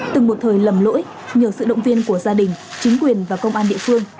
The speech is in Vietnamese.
từng một thời lầm lỗi nhờ sự động viên của gia đình chính quyền và công an địa phương